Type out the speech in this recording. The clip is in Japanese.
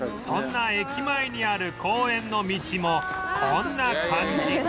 そんな駅前にある公園の道もこんな感じ